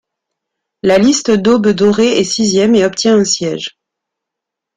La liste d'Aube dorée est sixième et obtient un siège.